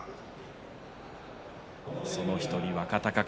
その１人の若隆景